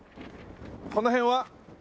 この辺は。